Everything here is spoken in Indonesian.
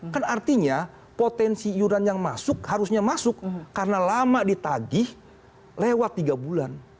kan artinya potensi iuran yang masuk harusnya masuk karena lama ditagih lewat tiga bulan